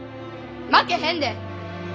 負けへんで！